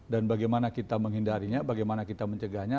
dan bagaimana kita menghindarinya bagaimana kita mencegahnya